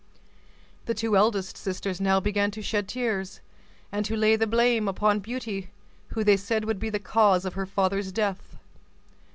The two eldest sisters now began to shed tears, and to lay the blame upon Beauty, who, they said, would be the cause of her father's death.